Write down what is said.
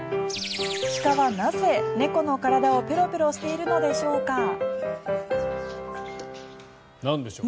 鹿はなぜ、猫の体をペロペロしているのでしょうか。